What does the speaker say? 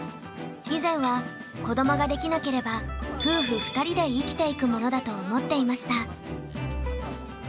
以前は子どもができなければ夫婦２人で生きていくものだと思っていました。